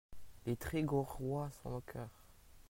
Les Trégorois sont moqueurs.